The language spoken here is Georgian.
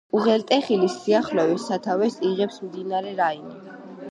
უღელტეხილის სიახლოვეს სათავეს იღებს მდინარე რაინი.